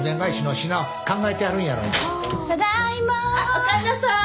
おかえりなさい。